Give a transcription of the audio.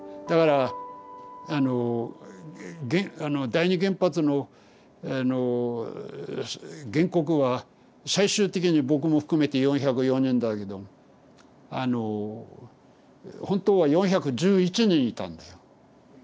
だからあの第二原発の原告は最終的に僕も含めて４０４人だけどあの本当は４１１人いたんです。